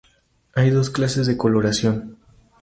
Hay dos clases de coloración.